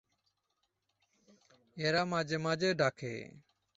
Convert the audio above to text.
এরা মাঝে মাঝে ডাকে।